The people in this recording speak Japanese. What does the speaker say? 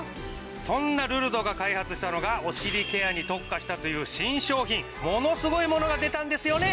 「そんなルルドが開発したのがお尻ケアに特化したという新商品」「ものすごいものが出たんですよね？」